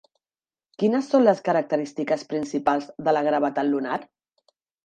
Quines són les característiques principals de la gravetat lunar?